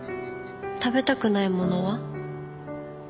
食べたくないものは？